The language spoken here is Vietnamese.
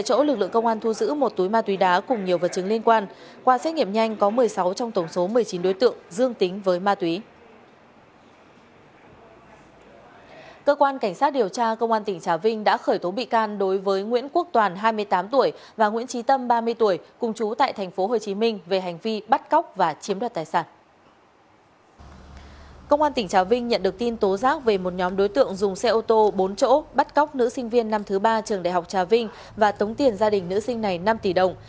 công an tỉnh trà vinh nhận được tin tố giác về một nhóm đối tượng dùng xe ô tô bốn chỗ bắt cóc nữ sinh viên năm thứ ba trường đại học trà vinh và tống tiền gia đình nữ sinh này năm tỷ đồng